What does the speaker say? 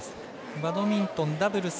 バドミントンダブルス